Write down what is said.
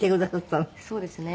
そうですね。